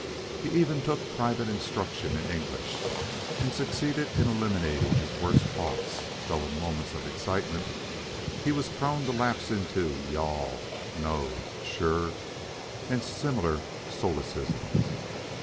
He even took private instruction in English, and succeeded in eliminating his worst faults, though in moments of excitement he was prone to lapse into "you all," "knowed," "sure," and similar solecisms.